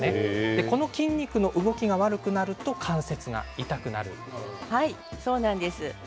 この筋肉の動きが悪くなると関節が痛くなるんですね。